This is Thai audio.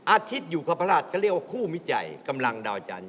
อาทิตยุคพระราชก็เรียกว่าคู่มิจัยกำลังเดาจันทร์